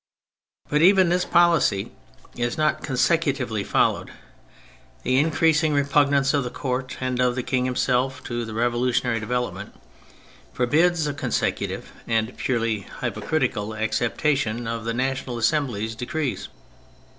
But even this policy is not consecutively followed. The increasing repugnance of the Court and of the King himself to the revolu tionary development forbids a consecutive and purely hypocritical acceptation of the National Assembly's decrees.